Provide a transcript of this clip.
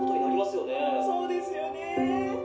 そうですよね。